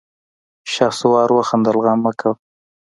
شهسوار وخندل: غم مه کوه!